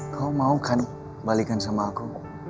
kau mau kan balikan sama aku